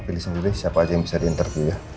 pilih sendiri siapa aja yang bisa diinterview